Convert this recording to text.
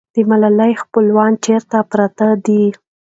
د ملالۍ خپلوان چېرته پراته دي؟